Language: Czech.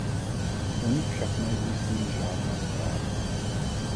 O nich však neexistují žádné zprávy.